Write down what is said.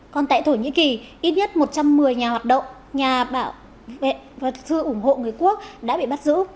còn tại thổ nhĩ kỳ ít nhất một trăm một mươi nhà hoạt động nhà bảo vệ vật thư ủng hộ người quốc đã bị bắt giữ